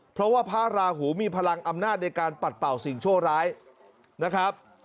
เพราะว่าพระราหูมีพลังอำนาจในการปัดเป่าสิ่งชั่วร้ายนะครับ